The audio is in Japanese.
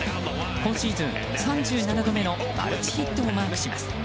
今シーズン３７度目のマルチヒットをマークします。